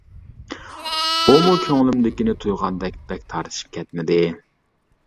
ئۇمۇ كۆڭلۈمدىكىنى تۇيغاندەك، بەك تارتىشىپ كەتمىدى.